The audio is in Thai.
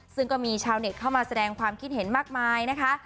ซึ่งก็มีชาวเน็ตเข้ามาแสดงความคิดเห็นมากมายนะคะ